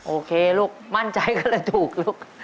โอเคลูกมั่นใจก็เลยถูกลูก